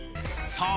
さあ。